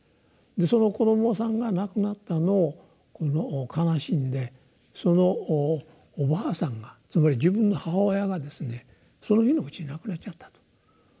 その子どもさんが亡くなったのを悲しんでそのおばあさんがつまり自分の母親がですねその日のうちに亡くなっちゃったと。